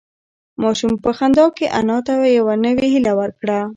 ماشوم په خندا کې انا ته یوه نوې هیله ورکړه.